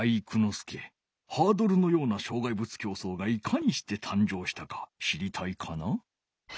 介ハードルのような障害物競走がいかにしてたんじょうしたか知りたいかな？